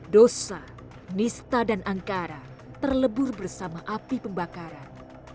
dosa nista dan angkara terlebur bersama api pembakaran